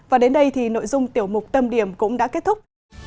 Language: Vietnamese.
và đến đây thì nội dung tiểu mục tâm điểm cũng đã kết thúc